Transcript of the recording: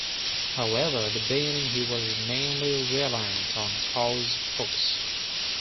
However, at the beginning he was mainly reliant on Klaus Fuchs.